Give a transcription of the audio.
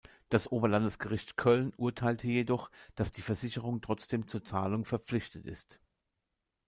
Das Oberlandesgericht Köln urteilte jedoch, dass die Versicherung trotzdem zur Zahlung verpflichtet ist.